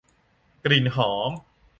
กลิ่นหอม